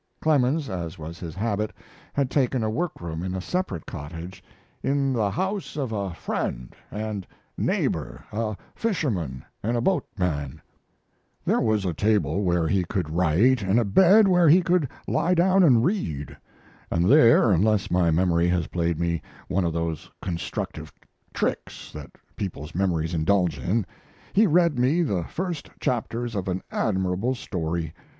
Clemens, as was his habit, had taken a work room in a separate cottage "in the house of a friend and neighbor, a fisherman and a boatman": There was a table where he could write, and a bed where he could lie down and read; and there, unless my memory has played me one of those constructive tricks that people's memories indulge in, he read me the first chapters of an admirable story.